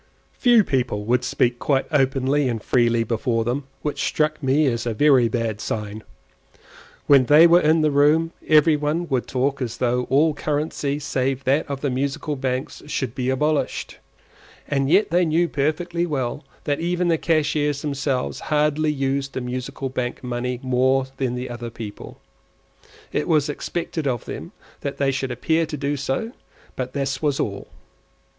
Few people would speak quite openly and freely before them, which struck me as a very bad sign. When they were in the room every one would talk as though all currency save that of the Musical Banks should be abolished; and yet they knew perfectly well that even the cashiers themselves hardly used the Musical Bank money more than other people. It was expected of them that they should appear to do so, but this was all.